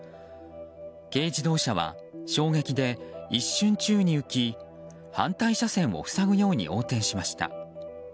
軽自動車は衝撃で一瞬宙に浮き反対車線を塞ぐように横転しました。